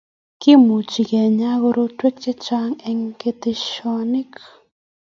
Kimuch kenyaa korotwek che chng engketeshonik